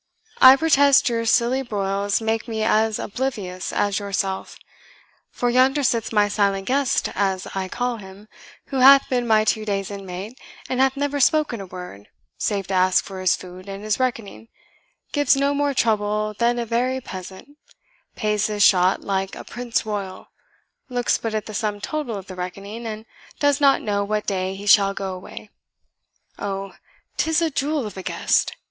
I protest your silly broils make me as oblivious as yourself; for yonder sits my silent guest as I call him, who hath been my two days' inmate, and hath never spoken a word, save to ask for his food and his reckoning gives no more trouble than a very peasant pays his shot like a prince royal looks but at the sum total of the reckoning, and does not know what day he shall go away. Oh, 'tis a jewel of a guest!